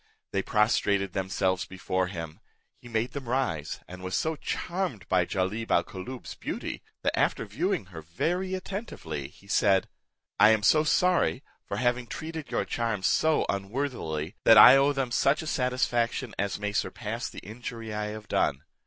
They prostrated themselves before him: he made them rise; and was so charmed by Jalib al Koolloob's beauty, that, after viewing her very attentively, he said, "I am so sorry for having treated your charms so unworthily, that I owe them such a satisfaction as may surpass the injury I have done.